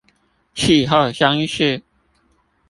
氣候相似